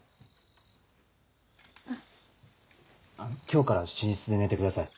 今日から寝室で寝てください